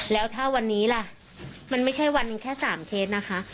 แล้วถ้าวันนี้ล่ะมันไม่ใช่วันนี้แค่๓เคสนะคะ